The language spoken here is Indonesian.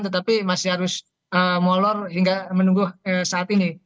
tetapi masih harus molor hingga menunggu saat ini